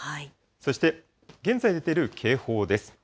そして、現在出ている警報です。